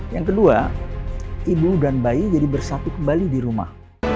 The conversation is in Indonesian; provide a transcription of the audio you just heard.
yang kedua ibu dan bayi jadi bersatu kembali di rumah